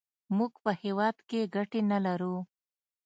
موږ په هېواد کې ګټې نه لرو.